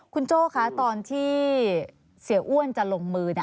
คุณโจ้คะตอนที่เสียอ้วนจะลงมือ